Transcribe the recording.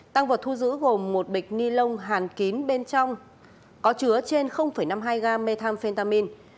tăng vật thu giữ gồm một bịch ni lông hàn kín bên trong có chứa trên năm mươi hai ga methamphetamin